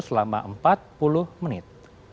selama empat puluh menit